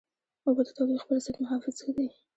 اوبه د تودوخې پر ضد محافظ دي.